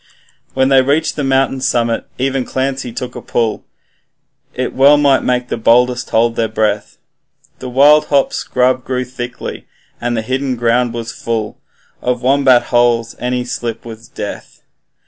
When they reached the mountain's summit, even Clancy took a pull, It well might make the boldest hold their breath, The wild hop scrub grew thickly, and the hidden ground was full Of wombat holes, and any slip was death.